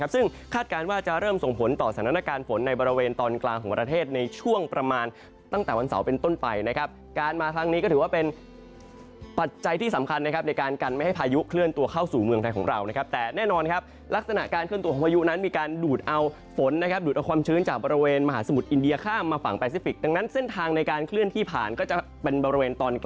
ซึ่งคาดการณ์ว่าจะเริ่มส่งผลต่อสถานการณ์ฝนในบริเวณตอนกลางของประเทศในช่วงประมาณตั้งแต่วันเสาร์เป็นต้นไปนะครับการมาทางนี้ก็ถือว่าเป็นปัจจัยที่สำคัญนะครับในการกันไม่ให้พายุเคลื่อนตัวเข้าสู่เมืองไทยของเรานะครับแต่แน่นอนครับลักษณะการเคลื่อนตัวของพายุนั้นมีการดูดเอาฝนนะครับดูดเอาค